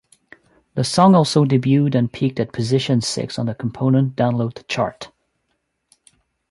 The song also debuted and peaked at position six on the component Download Chart.